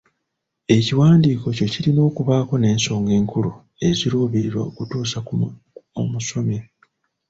Ekiwandiiko kyo kirina okubaako n'ensonga enkulu ze kiruubiirira okutuusa ku omusomi